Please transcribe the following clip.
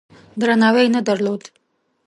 درناوی یې نه درلود.